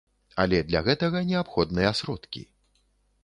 Але для гэтага неабходныя сродкі.